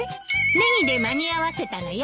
ネギで間に合わせたのよ。